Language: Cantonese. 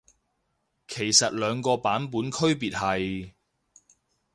其實兩個版本區別係？